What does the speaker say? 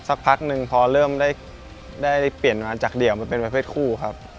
สักพักนึงพอเริ่มได้เปลี่ยนมาจากเดี่ยวมาเป็นประเภทคู่ครับ